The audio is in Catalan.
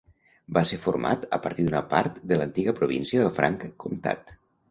Va ser format a partir d'una part de l'antiga província del Franc Comtat.